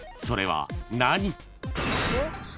［それは何？］